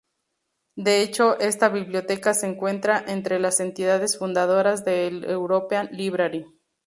De hecho, esta biblioteca se encuentra entre las entidades fundadoras de The European Library.